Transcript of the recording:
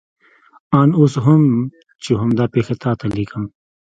آن اوس هم چې همدا پېښه تا ته لیکم.